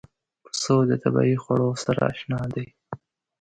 پسه د طبیعي خوړو سره اشنا دی.